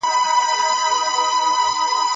نری، ګردی، لالی